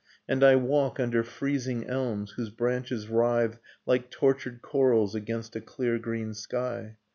1 And I walk under freezing elms, whose branches writhe ■^ Like tortured corals against a clear green sky.